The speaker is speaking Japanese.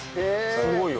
すごいよね。